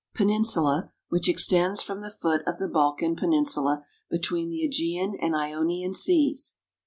qf ^^^^^pfv^ y peninsula which extends from the foot of the Balkan Peninsula between the ^Egean and Ionian seas.